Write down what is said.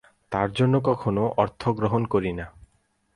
তার জন্যে কখনো অর্থ গ্রহণ করি না।